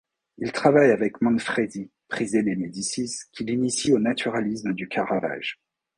Il travaille avec Manfredi, prisé des Médicis, qui l'initie au naturalisme du Caravage.